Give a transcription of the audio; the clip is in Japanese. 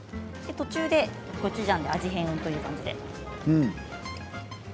途中でコチュジャンで味変という感じで。